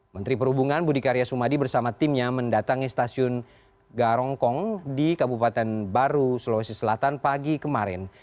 menteri perhubungan budi karya sumadi bersama timnya mendatangi stasiun garongkong di kabupaten baru sulawesi selatan pagi kemarin